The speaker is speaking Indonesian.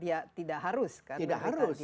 dia tidak harus menderita diabetes